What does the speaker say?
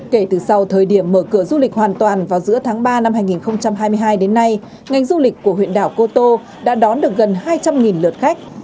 kể từ sau thời điểm mở cửa du lịch hoàn toàn vào giữa tháng ba năm hai nghìn hai mươi hai đến nay ngành du lịch của huyện đảo cô tô đã đón được gần hai trăm linh lượt khách